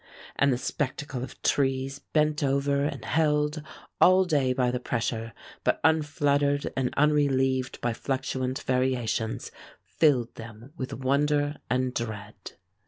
And the spectacle of trees bent over and held all day by the pressure, but unfluttered and unrelieved by fluctuant variations, filled them with wonder and dread."